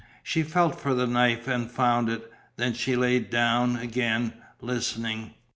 She felt for the knife and found it. Then she lay down again, listening.